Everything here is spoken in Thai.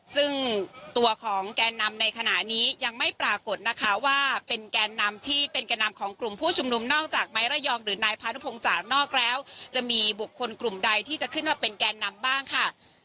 ซึ่งตัวของแกนนำในขณะนี้ยังไม่ปรากฏนะคะว่าเป็นแกนนำที่เป็นแก่นำของกลุ่มผู้ชุมนุมนอกจากไม้ระยองหรือนายพานุพงศ์จากนอกแล้วจะมีบุคคลกลุ่มใดที่จะขึ้นมาเป็นแกนนำบ้างค่ะ